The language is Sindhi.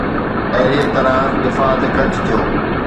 اهڙيءَ طرح دفاع تي خرچ ٿيو